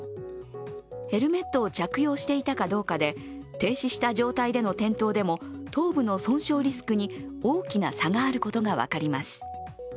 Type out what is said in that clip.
ヘルメットを着用していたかどうかで停止した状態での転倒でも頭部の損傷リスクに大きな差があることが分かります。